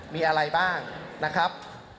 มีอะไรบ้างนะครับ